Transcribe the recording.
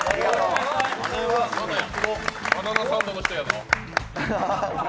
「バナナサンド」の人やな。